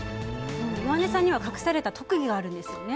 岩根さんには隠された特技があるんですよね。